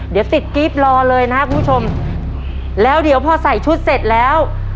เดี๋ยวติดกรี๊ดรอเลยนะครับคุณผู้ชมแล้วเดี๋ยวพอใส่ชุดเสร็จแล้ว